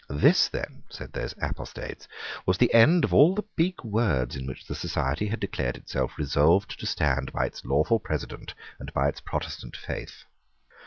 This then, said those apostates, was the end of all the big words in which the society had declared itself resolved to stand by its lawful President and by its Protestant faith.